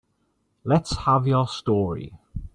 Let's have your story.